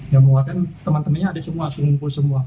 yang menguatkan teman temannya ada semua pengumpul semua